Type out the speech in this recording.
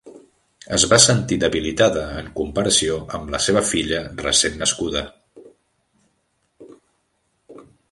Es va sentir debilitada en comparació amb la seva filla recent nascuda.